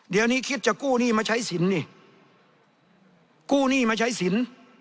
เดี๋ยวนี้คิดจะกู้หนี้มาใช้สินนี่กู้หนี้มาใช้สิน